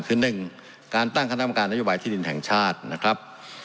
คือ๑การตั้งคณะกรรมการนโยบายที่ดินแห่งชาตินะครับ